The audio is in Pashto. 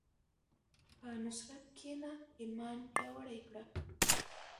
په نصرت کښېنه، ایمان پیاوړی کړه.